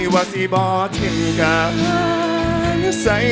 ขอบคุณมาก